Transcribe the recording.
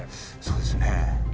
そうですね。